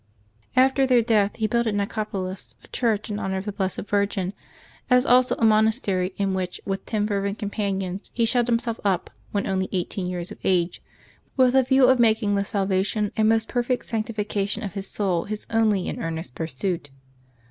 After their death, he built at Nicopolis a church in honor of the Blessed Virgin, as also a monastery, in which, with t^n fervent companions, he shut himself up when only eighteen years of age, with a view of making the salvation and most perfect sanctification of his soul his only and earnest pursuit.